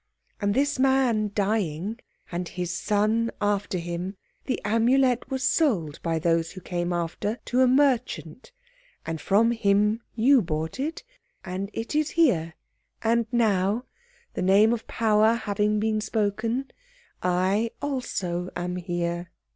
And this man dying and his son after him, the Amulet was sold by those who came after to a merchant, and from him you bought it, and it is here, and now, the name of power having been spoken, I also am here."